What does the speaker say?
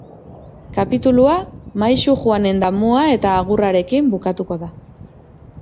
Kapitulua Maisu Juanen damua eta agurrarekin bukatuko da.